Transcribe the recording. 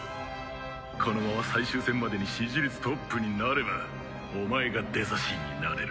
このまま最終戦までに支持率トップになればお前がデザ神になれる。